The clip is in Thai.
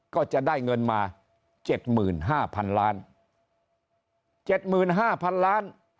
ก็จะได้เงินมาเจ็ดหมื่นห้าพันล้านเจ็ดหมื่นห้าพันล้าน